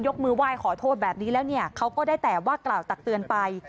มือไหว้ขอโทษแบบนี้แล้วเนี่ยเขาก็ได้แต่ว่ากล่าวตักเตือนไป